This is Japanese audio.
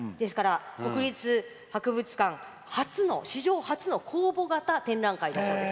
国立博物館史上初の公募型展覧会なんです。